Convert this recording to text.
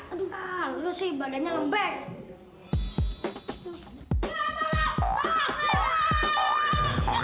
ini luang bantin harimau boleh masuk